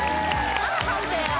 さあ判定は？